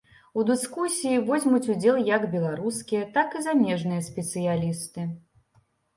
У дыскусіі возьмуць удзел як беларускія, так і замежныя спецыялісты.